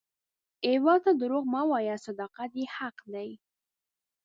هیواد ته دروغ مه وایه، صداقت یې حق دی